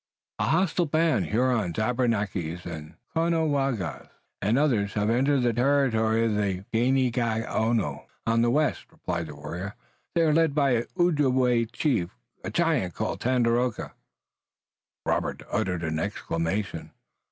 "A hostile band, Hurons, Abenakis, Caughnawagas, and others, has entered the territory of the Ganeagaono on the west," replied the warrior. "They are led by an Ojibway chief, a giant, called Tandakora." Robert uttered an exclamation.